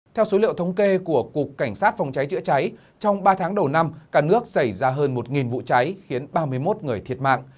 theo số liệu thống kê của cục cảnh sát phòng cháy chữa cháy trong ba tháng đầu năm cả nước xảy ra hơn một vụ cháy khiến ba mươi một người thiệt mạng